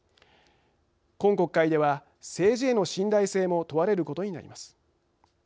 今国会では、政治への信頼性も問われることになります。